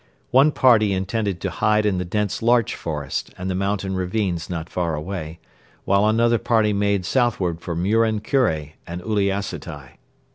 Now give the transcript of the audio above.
One party intended to hide in the dense larch forest and the mountain ravines not far away, while another party made southward for Muren Kure and Uliassutai.